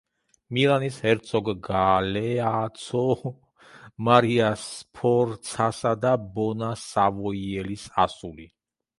მილანის ჰერცოგ გალეაცო მარია სფორცასა და ბონა სავოიელის ასული.